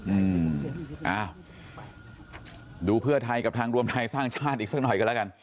อืมอ้าวดูเพื่อไทยกับทางรวมไทยสร้างชาติอีกสักหน่อยกันแล้วกัน